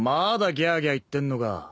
ギャーギャー言ってんのか。